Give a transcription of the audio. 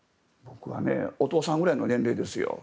お父さんぐらいの年齢ですよ。